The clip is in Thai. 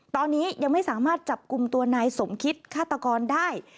ตอนนี้ยังไม่สามารถจับกลุ่มตัวนายสมคิตฆาตกรได้